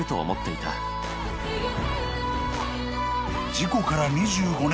［事故から２５年たった